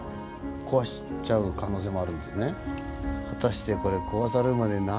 壊しちゃう可能性もあるんですね。